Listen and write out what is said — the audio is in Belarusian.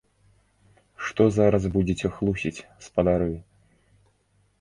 Што зараз будзеце хлусіць, спадары?